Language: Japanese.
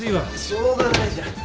しょうがないじゃん。